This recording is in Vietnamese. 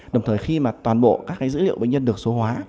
đồng thời khi mà toàn bộ các cái dữ liệu bệnh nhân được số hóa